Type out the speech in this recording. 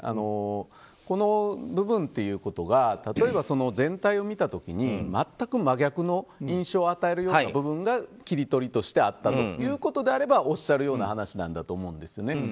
この部分ということが例えば全体を見た時に全く真逆の印象を与えるような部分が切り取りとしてあったということであればおっしゃるような話だと思うんですね。